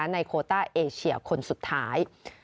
โคต้าเอเชียคนสุดท้าย